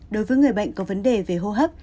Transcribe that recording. đối với người bệnh có vấn đề về hô hấp